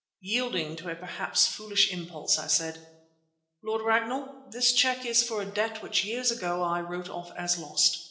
Yielding to a perhaps foolish impulse, I said: "Lord Ragnall, this cheque is for a debt which years ago I wrote off as lost.